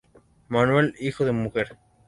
Manuel hijo de mujer.